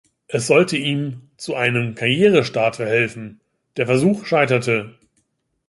Es sollte ihm zu einen Karrierestart verhelfen, der Versuch scheiterte.